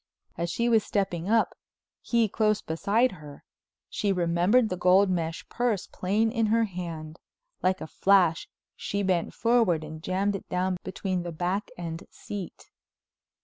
As she was stepping up, he close beside her, she remembered the gold mesh purse plain in her hand. Like a flash she bent forward and jammed it down between the back and seat.